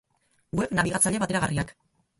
Web-nabigatzaile bateragarriak